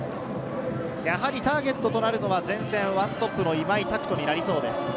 やはりターゲットとなるのは前線１トップの今井拓人になりそうです。